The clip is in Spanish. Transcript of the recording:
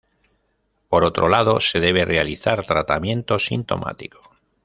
Por otro lado, se debe realizar tratamiento sintomático.